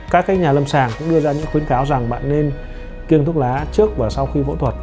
các nhà lâm sàng cũng đưa ra những khuyến cáo rằng bạn nên kiêng thuốc lá trước và sau khi phẫu thuật